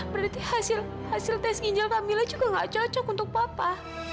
berarti hasil tes ginjal camilla juga nggak cocok untuk papa